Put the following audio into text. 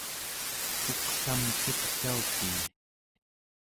puqlam cuqcautii